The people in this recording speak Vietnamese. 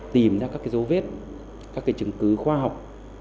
tìm ra các cái dấu vết các cái chứng cứ khoa học